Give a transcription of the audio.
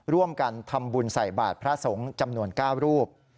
ร่วมกันทำบุญใส่บาทพระสงฆ์จำนวน๙รูป